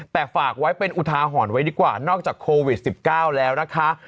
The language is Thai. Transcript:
แต่ฝากไว้เป็นอุทาหรณ์ไว้ดีกว่านอกจากโควิด๑๙แล้วนะคะ